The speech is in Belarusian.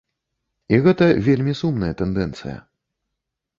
І гэта вельмі сумная тэндэнцыя.